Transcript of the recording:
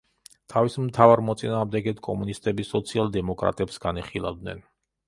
თავის მთავარ მოწინააღმდეგედ კომუნისტები სოციალ-დემოკრატებს განიხილავდნენ.